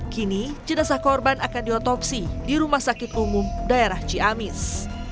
kini jenazah korban akan diotopsi di rumah sakit umum daerah ciamis